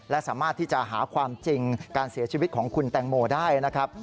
และสามารถที่จะหาความจริงการเสียชีวิตของคุณแตงโมได้นะครับ